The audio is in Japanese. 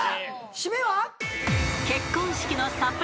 締めは？